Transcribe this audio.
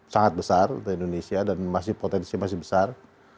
sangat besar untuk indonesia dan masih potensi masih besar